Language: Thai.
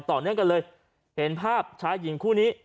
ต่อเนื่องกันเลยเห็นภาพชายหญิงคู่นี้